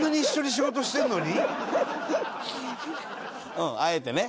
うんあえてね。